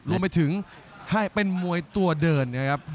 รวมไปถึงให้เป็นมวยตัวเดิน